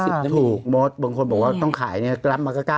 สมุทรปากทานบางคนก็บอกว่าต้องขายเขาตามรับมาก็๙๐บาท